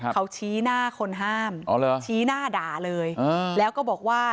เขาชี้หน้าคนห้ามชี้หน้าด่าเลยแล้วก็บอกว่า